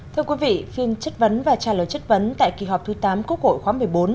thưa quý vị phim chấp vấn và trả lời chấp vấn tại kỳ họp thứ tám quốc hội khoảng một mươi bốn